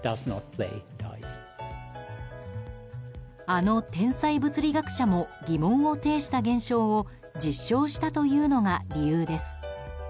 あの天才物理学者も疑問を呈した現象を実証したというのが理由です。